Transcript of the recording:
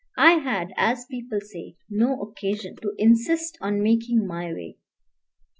I had, as people say, "no occasion" to insist on making my way.